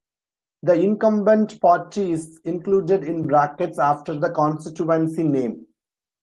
The incumbent party is included in brackets after the constituency name.